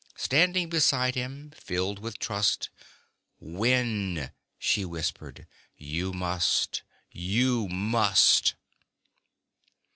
Standing beside him, filled with trust, "Win!" she whispered, "you must, you must!"